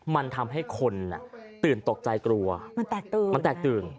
มันทำให้คนตื่นตกใจกลัวมันแตกตื่น